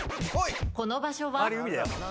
この場所は？